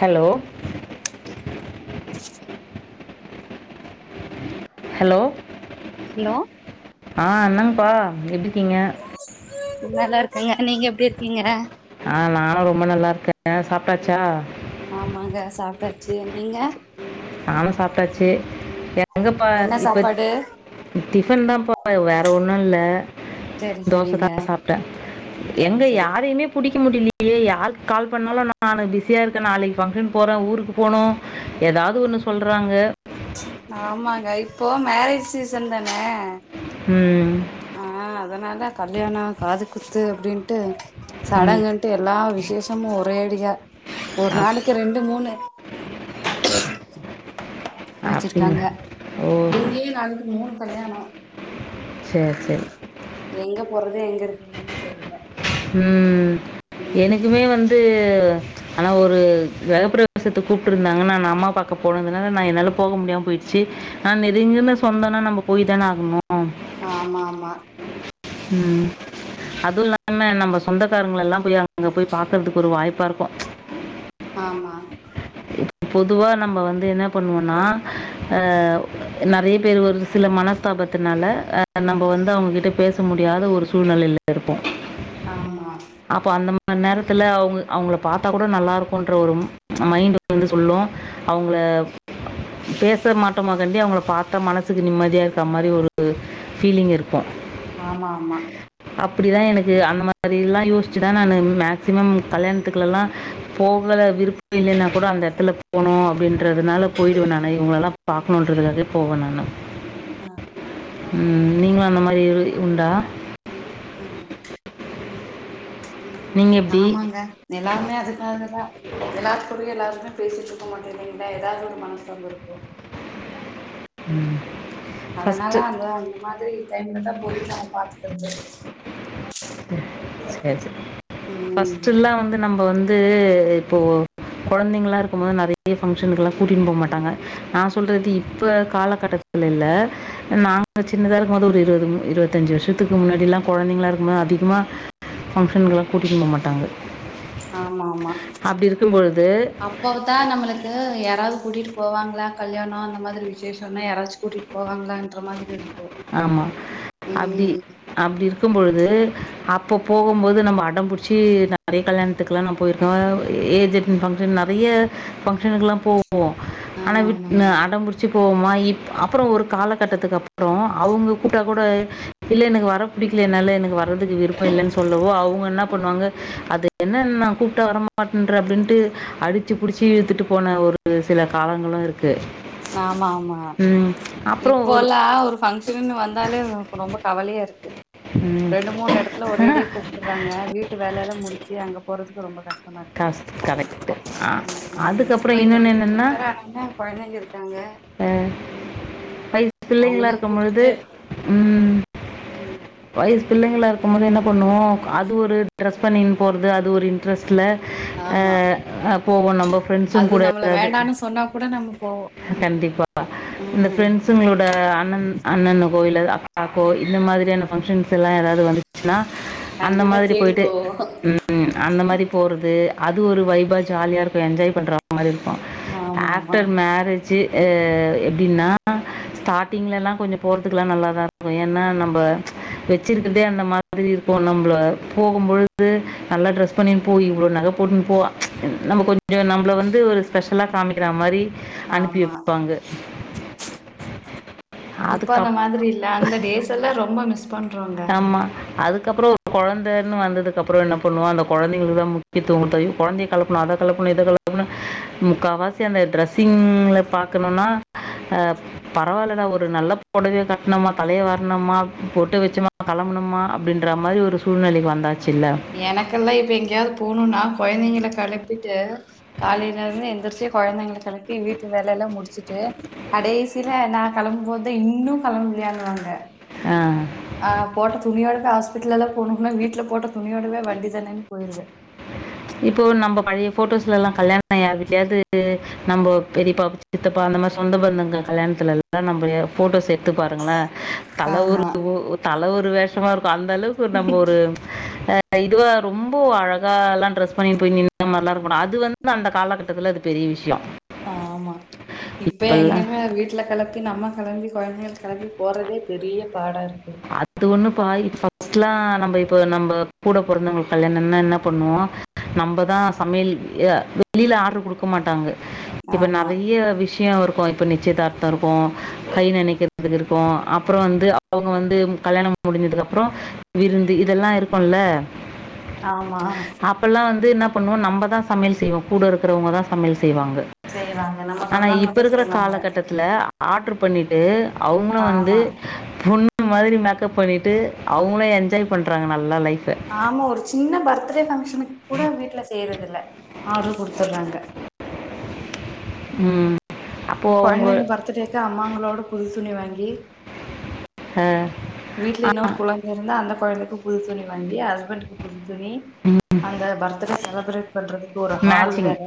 Hello hello hello ஆ என்னாங்கப்பா எப்டிக்கீங்க நல்லா இருக்கங்க நீங்க எப்டி இருக்கீங்க ஆ நானு ரொம்ப நல்லா இருக்கேங்க சாப்ட்டாச்சா ஆமாங்க சாப்ட்டாச்சு நீங்க நானு சாப்ட்டாச்சு எங்கப்பா என்ன இப்ப சாப்பாடு டிஃபன் தான்ப்பா வேற ஒண்ணு இல்ல செரி தோசதா செரிங்க சாப்ட்டே சரி எங்க சரி யாரையுமே புடிக்க முடிலி யே யாருக்கு கால் பண்ணாலு நானு நா பிஸியா இருக்கே நாளைக்கு ஃபங்க்ஷன் போறே ஊருக்கு போனு ஏதாவ் து ஒண்ணு சொல்றாங்க ஆமாங்க இப்போ மேரேஜ்ஜி சீசன் தானே ம் ஆ அதனால கல்யாண காது குத்து அப்டின்ட்டு ம் சடங்குன் ட்டு எல்லா விசேஷமு ஒரேடியா ஒரு அப் நாளைக்கி ரெண்டு மூணு வச்சிருக்காங்க அப்படிங்களா இங்கேயே நாளைக்கி மூணு கல்யானோ செரி செரி எங்க போறது எங்க இருக்குறதுன்னே தெரில ம் எனக்குமே வந்து ஆனா ஒரு கிரகப்பிரவேசத்துக்கு கூப்ட்டு இருந்தாங்கன்ன நா அம்மா பாக்க போனதுனால நா என்னால போக முடியாம போய்டுச்சு ஆனா நெருக்கன சொந்தோனா நம்ம போயிதான ஆகணு ஆமா ஆமா ம் அதுவ இல்லாம நம்ம சொந்தக்காரங்களல்லாம் போய் அங்க போய் பாக்கறதுக்கு ஒரு வாய்ப்பா இருக்கு ஆமா [inaudible] பொதுவா நம்ம வந்து என்ன பண்ணுவோனா அ நறைய பேர் வந்து சில மனஸ் தாபத்துனால அ நம்ப வந்து அவுங்ககிட்ட பேச முடியாத ஒரு சூழ்நெலையில இருப்போ ஆமா அப்போ அந்த மாரி நேரத்துல அவுங்க அவுங்கள பாத்தா கூட நல்லா இருக்குன்ற ஒரு மைண்ட் வந்து சொல்லு அவுங்கள பேச மாட்ட மொதலே அவுங்கள பாத்தா மனசுக்கு நிம்மதியி இருக்க மாரி ஒரு ஃபீலிங் இருக்கு ஆமா ஆமா அப்டிதா எனக்கு அந்த மாரில்லா யோசிச்சுதா நானு மேக்சிமம் கல்யாணத்துக்குலல்லா போகல விருப்போ இல்லனா கூட அந்த எடத்துல போணு அப்டின்றதுனால போயிடுவ நானு இவுங்களல்லா பாக்கணுன்றதுக்காகே போவ நானு ம் நீங்களும் அந்த மாரி எது உண்டா அ நீங்கள் எப்படி ஆமாங்க எல்லாமே அதுக்காகதா எல்லாக்கூடயு எல்லாருமே பேசிட்டு இருக்க மாட்டோ இல்லைங்ளா ஏதாவது ஒரு மனஸ்தாபோ இருக்கு ம் அதனால அந்த அந்த மாரி டைம்ல தா போயி நம்ம பாத்துக்கறது சேரி சேர் ம் ஃப்ஸ்ட்டுல்லா வந்து நம்ம வந்து இப்போ கொழந்தைங்களா இருக்கும் போது நறைய பங்க்ஷனக்குல்லா கூட்டினு போ மாட்டாங்க நா சொல்றது இப்ப காலகட்டத்துல இல்ல நாங்க சின்னதா இருக்கும்போது ஒரு இருவது இருவது இருவத்தி அஞ்சு வருஷத்துக்கு முன்னாடில்லா குழந்தைங்களா ம்மா அதிகமா ஃபங்க்ஷனுக்குலா கூட்டிடு போக மாட்டாங்க ஆமா அப்டி இருக்கும்போது எப்ப பா நம்மளுக்கு யாராவுது கூட்டிகிட்டு போவாங்களா கல்யாணோ அந்த மாரி விசேஷோனா யாராச்சு கூட்டிட்டு போவாங்களா ன்ற மாதிரி இருக்கு ஆமா. அப்டி ம் அப்டி இருக்கும்பொழுது அப்ப போகும்போது நம்ம அடம் புடிச்சி நறைய கல்யாண த்துக்லாம் போயிருக்க ஏஜ்அட்டன் பண்ற நறையா ஃபங்க்ஷனுக்குலா போ போவோம் ஆனா ஆமா ஆமாங்க அடம்புடிச்சு போவோமா இப் அப்புறோ ஒரு கால கட்டதுக்கு அப்புறோ அவுங்க கூப்ட்டா கூட இல்ல எனக்கு வர புடிக்கல என்னால எனக்கு வறதுக்கு விருப் இல்லனு சொல்லவோ அவுங்க என்ன பண்ணுவாங்க அது என்ன நா கூப்ட்டா வர மாட்டன்ற அப்டினு அடித்து புடிச்சு புடிச்சி இழுத்துட்டு போன ஒரு சில காலங்களு இருக்கு ஆமா ஆமா ம் அப்புறம் இப்போ ஒரு எல்லா ஒரு ஃபங்க்ஷன்னு வந்தாலே நமக்கு ரொம்ப கவலையா இருக்கு ம். ரெண்டு மூணு எடத்துல ஒரேடியா கூப்ருறாங்க வீட்டு வேலையல்லா முடிச்சு அங்க போறதுக்கு ரொம்ப கஷ் டமாஇருக்கு காசு கரெக்டு ம் அதுக்கப்புறம் இப்ப இந்த இன்னொன்று லீவே என்னென்னா வேரா ஆ நம்ம குழந்தைங்க இருக்காங்க அ வைசு பிள்ளைங்களா அவங்களையு இருக்கும்பொழுது கூட்டிட்டு ம் ம் வயுசு பிள்ளைங்களா இருக்கும் போது என்ன பண்ணுவோ அது ஒரு டிரெஸ் பண்ணின்னு போறது அது ஒரு இன்ட்ரெஸ்ட்ல ஆமா அ போவோ நம்ம ஃப்ரெண்ட்ஸு அது கூட நம்மள ஏதாது வேண்டான்னு சொன்னா கூட நம்ம போவோ கண்டிப்பா இந்த ம் ஃப்ரெண்ட்ஸுங்களோட அண்ணன் அண்ணனுக்கோ இல்ல அக்காக்கோ இந்த மாதிரியான பங்க்ஷன்ஸ் எல்லா ஏதாவது வந்துச்சுன்னா அந்த கண்டிப்பா மாதிரி தேடி போயிட்டு போவோ ம் ம் அந்த மாரி போறது அது ஒரு வைபா ஜாலியா இருக்கு என்ஜாய் பண்ற மாரி இருக்கு ஆமா ஆமா ஆஃப்டர் மேரேஜ்ஜூ எப்டின்னா ஸ்டாட்டிங்லலா கொஞ்ச போறதுக்லா நல்லாதா இருக்கு ஏன்னா நம்ம வச்சிருக்கரதே அந்த மா திரி இருக்கு நம்மள போகும்பொழுது நல்லா ட்ரெஸ் பண்ணினு போய் இவ்ளோ நக போட்னு போவா நம்ம கொஞ்சோ நம்ள வந்து ஒரு ஸ்பெ ஷலா காமிக்கிற மாரி அனுப்பி ஆமா வெப்பாங்க அதுக்கப் இதெல்லா ரொம்ப மிஸ் பண் ஆம்மா அதுக்கப்பறோ ஒ கொழந்தன் வந்ததுகப்றோ என்ன பண்ணுவோ அந்த கொழந்தைகளுக்கு தா முக்கியிதுவோ குட்த்து அயோ கொழந்தைய கெளப்பணு அத கெளப்பணு இத கெள ப்னு முக்காவாசி அந்த ட்ரெஸ்ஸிங்ல பாக்கணுனா அ பரவால்லடா ஒரு நல்ல பொடவய கட்ணமா தலைய வார்ணமா பொட்டு வச்சமா களம்பனுமா அப்டின்ற மாரி ஒரு சூழ்நிலைக்கு வந்தாச்சு இல்ல எனக்கெல்லா இப்போ எங்கேயாவது போணுன்னா கொழ்ந்தைங்கள கெளப்பிட்டு காலைல இருந்து எந்திரிச்சி கொழந்தைங்கள கெளப்பி வீட்டு வேலலா முடிச்சுட்டு கடைசில நா கெளம்பும்போதா இன்னு கெளம்புலையான் வாங்க ஆ ஆ போட்ட துணியோடுவே ஹாஸ்பிட்டலல்லா போணுனா வீட்ல போட்ட துணியோடுவே வண்டி தானே போயிருவே இப்போ நம்ம பழைய ஃபோட்டோஸ்லல்லா கல்யாணம் [inaudible] யார் வீட்லயாது நம்போ பெரிப்பா சித்தப்பா அந்த மாதி சொந்த பந்தங்க கல்யாணத்துலல்லா நம்ம ஃபோட்டோஸ் எட்த்து பாருங்களே தல ஒரு ஆமா ஒ தல ஒரு வேஷமா இருக்கு அந்த அளவுக்கு நம்ம ஒரு அ இதுவ ரொம்ப அழகால்லான் ட்ரெஸ் பண்ணிட் போய் நி [inaudible] மாரிலா இருக்கு அது வந்து அந்த காலகட்டத்துல அது பெரிய விஷயோ ஆமா இப்ப எங்கங்க வீட்ல கெளப்பி நம்ம கெளம்பி கொழந்தைக கெளப்பி போறதே பெரிய பாடா இருக்கு அத்து ஒன்னு பா இ ஃபஸ்ட்லா நம்ம இப்போ நம்ம கூட பொறந்தவங்களுக்கு கல்யாணன்னா என்ன பண்ணுவோ நம்மதா சமையல் இ அ வெளில ஆர்ட்ரு குடுக்க மாட்டாங்க இப்ப ஆமா நெறைய விஷ்யோ வரு ப்ப நிச்சயதார்த்த இருக்கு கை நெனைக்கிறதுக்கு இருக்கு அப்பறோ வந்து அவுங்க வந்து கல்யாணம் முடிஞ்சதுக்கு அப்றோ விருந்து இதெல்லா இருக்குல்ல ஆம்மா அப்பல்லா வந்து என்ன பண்ணுவோ நம்ம தா சமையல் செய்வோ கூட இருக்குறவங்க தா சமையல் செய்வாங்க செய்வாங்க நம்ம ஆனா இப்ப சொந்தங்கதா இருக்கற செய்வாங்க காலகட்டத் ல ஆர்ட்ர் பண்ணிட்டு அவுங்களு வந்து ஆமா பொண்ணு மாரி மேக் கப் பண்ணிட்டு அவுங்களு என்ஜாய் பண்றாங்க நல்லா லைஃப்ப ஆமா ஒரு சின்ன பர்த்டே ஃபங்க்ஷனு கூட வீட்ல செய்யறது இல்ல ஆர்ட்ரு குடுத்துர்றாங்க. ம் அவங்க கொழந்தைங்க பர்த்டேக்கு அம்மாங்ளோட புது துணி வாங்கி அ வீட்ல அ இன்னொரு குழந்தை இருந்தா அந்த கொழந்தைக்கு புது துணி வாங்கி ஹஸ்பண்டக்கு புது துணி அந்த பர்த்டே செலப்பரேட் பண்றதுக்கு ஒரு ஹால் மேட்சிங் வேற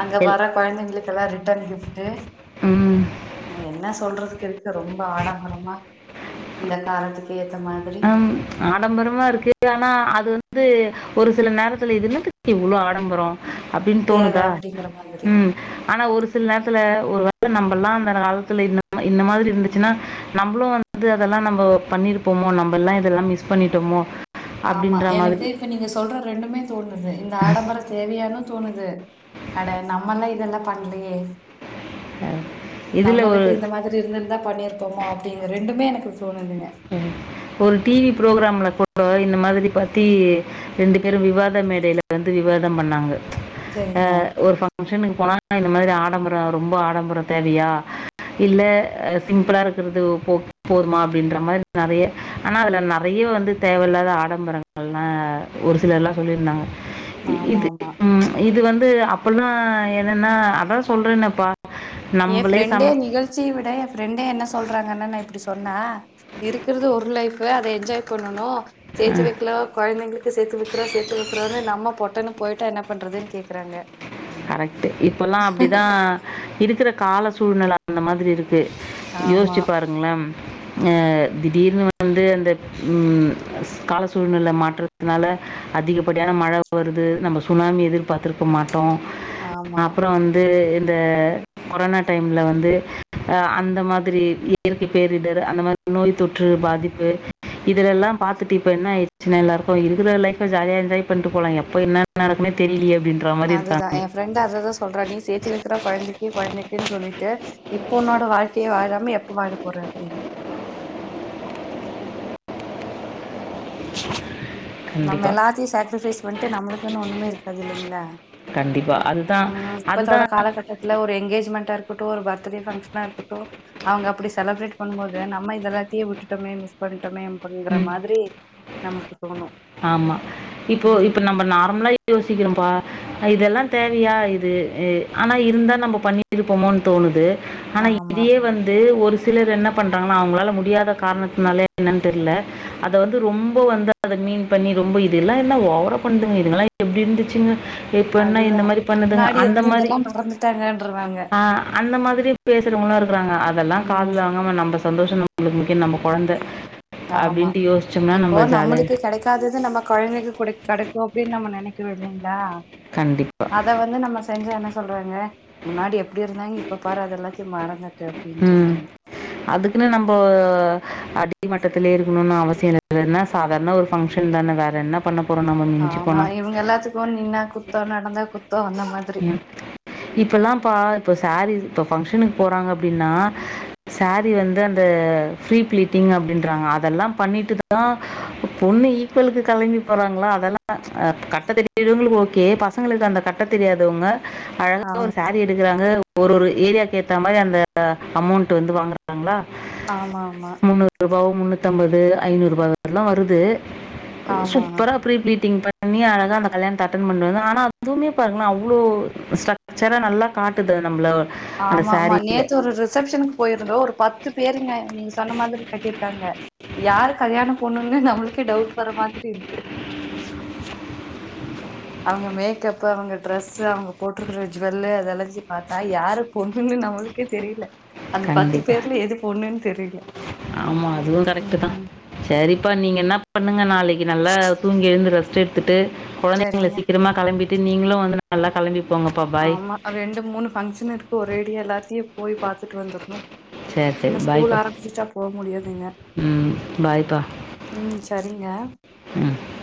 அங்க எல் வர்ற கொழந்தைங்களுக்லா ரிட்டன் கிஃப்ட்டு ம் என்ன சொல்றதுக்கு இருக்கு ரொம்ப ஆடம்பரமா இந்த காலத்துக்கு ஏத்த மாதிரி ம் ஆடம்பரமா இருக்கு ஆனா அது வந்து ஒரு சில நேரத்துல இது என்னத்துக்கு இவ்ளோ ஆடம்பரோ அப்டின் தேவ தோணுதா அப்டிங்கிற மாதிரி ம் ஆனா ஒரு சில நேரத்துல ஒரு வேள நம்மல்லா அந்த காலத்துல இந்த இந்த மாதிரி இருந்துச்சுன்னா நம்மளு வந் அது அதெல்லா நம்போ பண்ணிருப்போமோ நம்ம எல்லா இதெல்லா மிஸ் பண்ணிட்டோமோ ஆமா அப்பிடின்ற எனக்கு மாதிரி. இப்ப நீங்க சொல்ற ரெண்டுமே தோணுது இந்த ஆடம்பரோ தேவையானனு தோணுது அட நம்மல்லா இதெல்லா பண்ணலியே இதில ஒரு நம்மளுக்கு இந்த மாதி ரி இருந்து திருந்தா பண்ணிருப்போமோ அப்டிங்க ரெண்டுமே எனக்கு தோணுதுங்க ஒரு டிவி ப்ரோக்ராம்ல கூட இந்த மாதிரி பத்தி ரெண்டு பேரு விவாத மேடைல வந்து விவாதம் பண்ணாங்க அ செரிங்க ஒரு ஃபங் க்ஷனுக்கு போனா இந்த மாதிரி ஆடம்பரோ ரொம்ப ஆடம்பரோ தேவையா இல்ல அ சிம்பிளா இருக்கிறது ஓ போ போதுமா அப்டின்ற இது மாரி நெறைய ஆனா அதுல நெறைய வந்து தேவல்லாத ஆடம்பரங்கள்னா ஒரு சிலர்லா சொல்லிருந்தாங்க ஆமா இது ஆமா ம் இது வந்து அப்பில்லா என்னன்னா அதா சொல்றேனேப்பா எ ஃப்ரெண்டே நிகழ்ச்சி விட எ ஃப்ரெண்டே என்ன சொல்றாங்கன்னு நா இப்டி சொன்னா இருக்கிறது ஒரு லைஃப் அத என்ஜாய் பண்ணனு சேத்து வக்கலா கொழந்தைங்களுக்கு கு சேத்து விக்கிறோ சேத்து விக்கோன்னு நம்ம பொட்டன்னு போயிட்டா என்ன பண்றதுன்னு கேட்கிறாங்க கரெக்ட்டு இப்பெல்லா அப்டிதா இருக்கிற கால சூழ்நெல அந்த மாதிரி இருக் கே ஆமா யோசிச்சு பாருங்களேம் அ திடீர்னு வந்து அந்த ம் ஸ் கால சூழ்நெல மாற்றத் துனால அதிகப்படியான மழ வருது நம்ம சுனாமிய எதிர்பாத்திருக்க மாட்டோ ஆமா அப்பறோ வந்து இந்த கொரோனா டைம்ல வந்து அந்த மாதிரி இயற்கை பேரிடர் அந்த மா நோய் தொற்று பாதிப்பு இதுல எல்லா பாத்துட்டு இப்ப என்னாயிருச்சி எல்லாருக்கோ இருக்கிற லைஃப்ப ஜாலியா என்ஜாய் பண்ட்டு போலா எப்ப என்ன நடக்குனே தெரிலியே அப்டின்ற மாரி இருக்கா அ எ ஃப்ரெண்ட்டு அததா சொல்ற நீ சேத்து வக்கற கொழந்தை க்கி கொழந்தைக்குன்னு சொல்லிட்டு இப்ப உன்னோட வாழ்க்கைய வாழாம எப்ப வாழ போற அப்டின்னு நம்ம கண்டிப்பா. எல்லாத்தையு சேக்ரிஃபைஸ் பண்ணிட்டு நம்மளுக்குன்னு ஒண்ணுமே இருக்காது இல்லலைங்களா கண்டிப்பா. அதுதான் ம் இப்பத்தோட அதுதான் காலகட்டத்துல ஒரு எங்கேஜ்மெண்டா இருக்கட்டு ஒரு பர்த்டே ஃபங்ஷன்னா இருக்கட்டு அவுங்க அப்டி செலப்ரேட் பண்ணு போது நம்ம இதெல்லாத்தைய விட்டுட்டோமே மிஸ் பண்ணிட்டோமே பங்கிற ம். மாதிரி நமக்கு தோணு ஆமா இப்போ இப்ப ம் நம்ம நார்மலா யோசிக்கிறோப்பா அ இதெல்லா தேவையா இது இ ஆனா இருந்தா நம்ம பண்ணிருப்போமோனு தோணுது ஆனா ஆமா இதேயே வந்து ஒரு சிலர் என்ன பண்றாங்கன்னா அவுங்களால முடியாத காரணத்னால என்னனு தெர்ல அத வந்து ரொம்ப வந்து அத மீன் பண்ணி ரொம்ப இது எல்லா என்ன ஓவரா பண்துங்க இதுங்கெல்லா எப்டி இருந்துச்சுங்க ஹே இப்ப என்ன அதுதா இந்த மாரி பண்ணுதுங்க முன்னாடி அந்த மாரி இருந்ததெல்லா மறந்துட்டாங்கன்றுவாங்க அ அந்த மாதிரி பேசுறவங்களு இருக்குறாங்க அதெல்லாம ம் காதல வாங்காம நம்ப சந்தோஷ தா நம்மங்களுக்கு முக்கிய நம்ம கொழந்த ஆமா இப்போ நம்மளுக்கு கெடைக்காதது நம்ம கொழந்தைக்கு கூட கெக்குஇம அப்டின்னு நம்ம நெனைக்கிறோ இல்லைங்களா கண்டிப்பா அத வந்து நம்ம செஞ்சா என்ன சொல்றாங்க முன்னாடி எப்டி இருந்தே இப்ப பாரு அத எல்லாத்தையு மறந்துட்டு ம் அப்டின்றாங்க அதுக்குன்னு நம்போ அடி மட்டத்திலயே இருக்கணுனு அவசிய இல்ல என சாதாரண ஒரு ஃபங்க்ஷன் தான வேற என்ன பண்ண போறோ நம்ம மிஞ்சு போனா போ நின்னா குத்தோ நடந்தா குத்தோ அந்த மாதி இப்பல்லாம்ப்பா இப்ப சாரீ இப்ப பங்க்ஷனுக்கு போறாங்க அப்டின்னா சாரி வந்து அந்த ஃப்ரீ ப்ளீட்டிங் அப்டின்றாங்க அதெல்லாம் பண்ணிட்டு தான் பொண்ணு இ ஸ்கூலுக்கு கிளம்பி போறாங்களா அதெல்லாம் கட்ட தெரிஞ்சவங்களுக்கு ஓகே பசங்களுக்கு அந்த கட்டத் தெரியாதவங்க அழக ஆமா ஒரு சாரீ எடு க்குறாங்க ஒரு ஒரு ஏரியாக்கு ஏத்த மாரி அந்த அமௌண்ட் வந்து வாங்கறாங்களா ஆமா ஆமா முன்னூறு ரூபா முன்னூத்தி ஐம்பது ஐநூறு ரூபாயல்லாம் வருது ஆமா சூப்பரா ப்ரிபிளீட்டிங் பண்ணி அழகா அந்த கல்யாணத்தை அட்டன் பண்னு வந்த ஆனா அதுவுமே இப்பாருங்கலே அவ்ளோ ஸ்டரக்சரா நல்லா காட்டுது நம்மளோ ஆமா ஆமா நேத்து ஒரு ரிசப்ஷனுக் போயிருந்தோம் ஒரு பத்து பேருங்க நீங்க சொன்ன மாரி கட்டியிருக்காங்க யாரு கல்யாண பொண்ணுன்னு நம்மளுக்கே டவுட் வர மாதிரி இருக்கு அவுங்க மேக்கப் அவுங்க டிரெஸ்சு அவுங்க போட்டிருக்கற ஜீவெல்லு அதெல்லத்தையும் பாத்தா யாரு பொண்ணுன்னு நம்ளுக் எனக்கே தெரில அந்த பத்து பேர்ல எது பொண்ணுன்னு தெரில ஆமா அதுவும் கரெக்ட் தா செரிப்பா நீங்க என்ன பண்ணுங்க நாளைக்கு நல்லா தூங்கி எழுந்து ரெஸ்ட் எடுத்துட்டு குழந்தைங்கள சரிங்க சீக்கிரமா கெளம்பிட்டு நீங்களும் வந்து நல்லா கெளம்பி ஆமா ரெண்டு மூணு ஃபங்க்ஷன் இருக்கு ஒரேடியா எல்லாத்தியே போய் பார்த்துட்டு வந்துரணும் சரி சரி இன்னு ஸ்கூல் பாய்ப்பா ஆரம்பிச்சுட்டா போ முடியாதுங்க ம் பாய்ப்பா ம் சரிங்க ம்